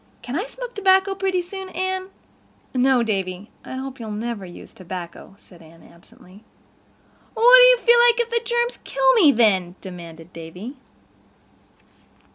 Can I smoke tobacco pretty soon, Anne?" "No, Davy, I hope you'll never use tobacco," said Anne absently. "What'll you feel like if the germs kill me then?" demanded Davy.